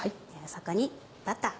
そこにバター。